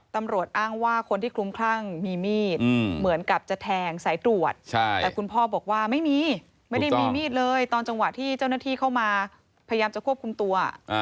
ตำรวจอ้างว่าคนที่คลุมคลั่งมีมีดเหมือนกับจะแทงสายตรวจแต่คุณพ่อบอกว่าไม่มีไม่ได้มีมีดเลยตอนจังหวะที่เจ้าหน้าที่เข้ามาพยายามจะควบคุมตัว